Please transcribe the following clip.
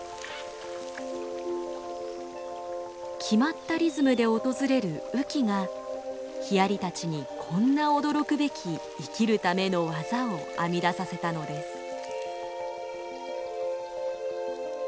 決まったリズムで訪れる雨季がヒアリたちにこんな驚くべき生きるための技を編み出させたのです。